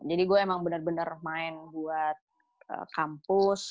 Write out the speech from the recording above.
jadi gue emang bener bener main buat kampus